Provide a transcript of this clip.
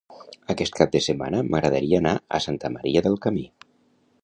Aquest cap de setmana m'agradaria anar a Santa Maria del Camí.